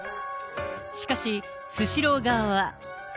しかし、スシロー側は。